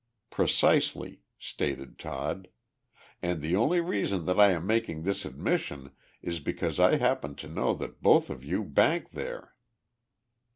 "Precisely," stated Todd, "and the only reason that I am making this admission is because I happen to know that both of you bank there."